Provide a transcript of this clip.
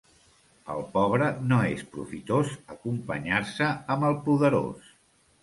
Al pobre no és profitós acompanyar-se amb el poderós.